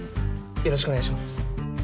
よろしくお願いします。